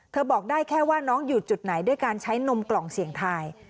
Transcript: บอกได้แค่ว่าน้องอยู่จุดไหนด้วยการใช้นมกล่องเสียงทาย